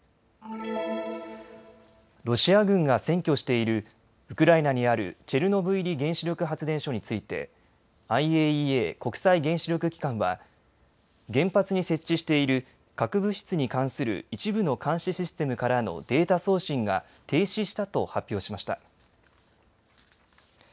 ロシア軍が占拠しているウクライナにあるチェルノブイリ原子力発電所についてＩＡＥＡ・国際原子力機関は原発に設置している核物質に関する一部の監視システムからのデータ送信が停止したと発表しました。